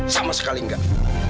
sama sekali enggak